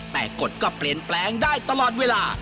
แต่กฎก็เปลี่ยนแปลงได้ตลอดเวลา